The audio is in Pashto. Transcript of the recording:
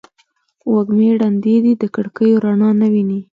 وږمې ړندې دي د کړکېو رڼا نه ویني